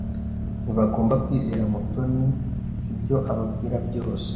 Ntibagomba kwizera Mutoni ibyo ababwira byose.